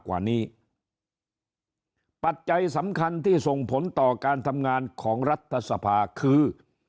กว่านี้ปัจจัยสำคัญที่ส่งผลต่อการทำงานของรัฐสภาคือ